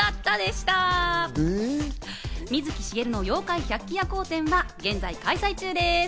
「水木しげるの妖怪百鬼夜行展」は現在開催中です。